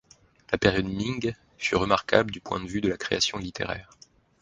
La période Ming fut remarquable du point de vue de la création littéraire.